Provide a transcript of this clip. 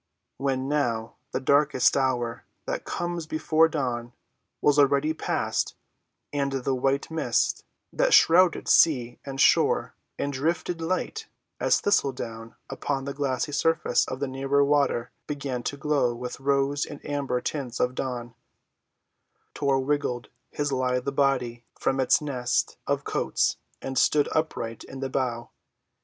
When, now, the darkest hour, that comes before dawn, was already past, and the white mist that shrouded sea and shore and drifted light as thistle‐ down upon the glassy surface of the nearer water began to glow with rose and amber tints of dawn, Tor wriggled his lithe little body from its nest of coats and stood upright in the bow.